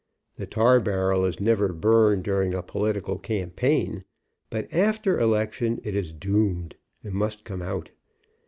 The tar barrel is never burned during a political campaign, but after election it is doomed, and must come out.